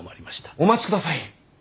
お待ちください。